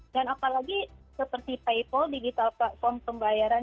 dan apalagi seperti paypal digital platform pembayaran